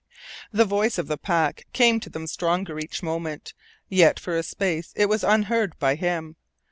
The voice of the pack came to them stronger each moment, yet for a space it was unheard by him.